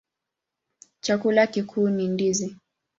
Chakula kikuu ni ndizi.